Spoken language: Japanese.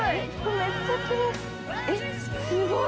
◆めっちゃきれい。